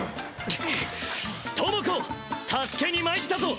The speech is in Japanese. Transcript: くっ倫子助けに参ったぞ！